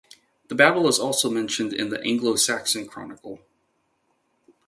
The battle is also mentioned in the "Anglo-Saxon Chronicle".